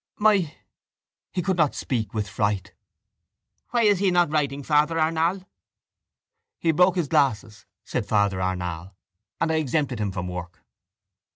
my... He could not speak with fright. —Why is he not writing, Father Arnall? —He broke his glasses, said Father Arnall, and I exempted him from work.